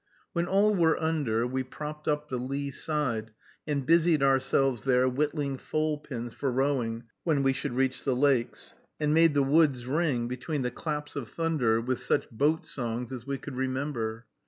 When all were under, we propped up the lee side, and busied ourselves there whittling thole pins for rowing, when we should reach the lakes; and made the woods ring, between the claps of thunder, with such boat songs as we could remember.